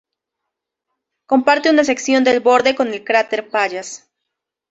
Comparte una sección de borde con el cráter Pallas.